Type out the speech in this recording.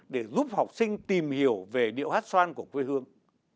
để giúp học sinh tìm hiểu về điệu hát xoan của quê hương